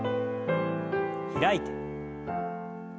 開いて。